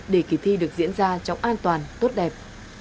để kỳ thi được diễn ra trong an toàn tốt đẹp